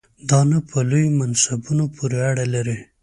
دا نه په لویو منصبونو پورې اړه لري.